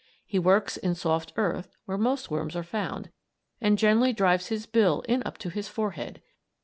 He works in soft earth, where most worms are found, and generally drives his bill in up to his forehead.